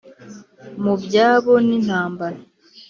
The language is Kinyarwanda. Mu byabo n intambara